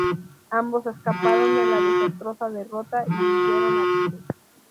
Ambos escaparon de la desastrosa derrota y huyeron a Tiro.